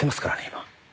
今。